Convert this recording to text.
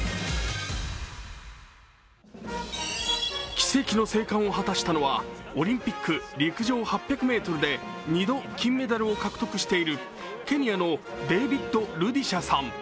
奇跡の生還を果たしたのはオリンピック陸上８００ｍで２度金メダルを獲得しているケニアのデービッド・ルディシャさん。